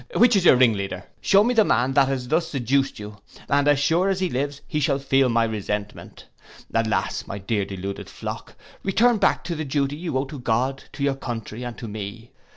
Which is your ringleader? Shew me the man that has thus seduced you. As sure as he lives he shall feel my resentment. Alas! my dear deluded flock, return back to the duty you owe to God, to your country, and to me.